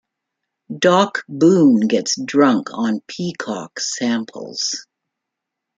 Doc Boone gets drunk on Peacock's samples.